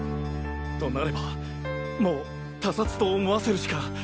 となればもう他殺と思わせるしか。